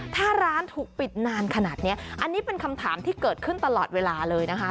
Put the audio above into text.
ถ้าร้านถูกปิดนานขนาดนี้อันนี้เป็นคำถามที่เกิดขึ้นตลอดเวลาเลยนะคะ